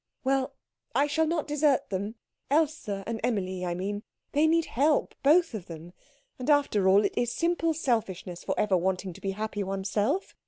"Well, I shall not desert them Else and Emilie, I mean. They need help, both of them. And after all, it is simple selfishness for ever wanting to be happy oneself.